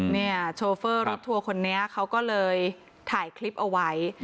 โชเฟอร์รถทัวร์คนนี้เขาก็เลยถ่ายคลิปเอาไว้